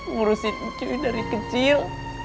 ngurusin cuy dari kecil